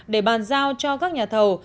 để bàn giao cho các nhà thầu